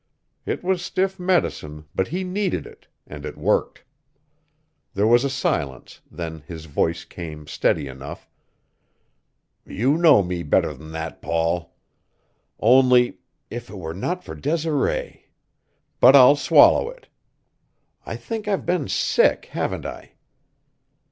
It was stiff medicine, but he needed it, and it worked. There was a silence, then his voice came, steady enough: "You know me better than that, Paul. Only if it were not for Desiree but I'll swallow it. I think I've been sick, haven't I?"